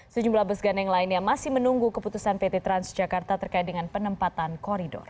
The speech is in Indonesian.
sejumlah bus gandeng lainnya masih menunggu keputusan pt transjakarta terkait dengan penempatan koridor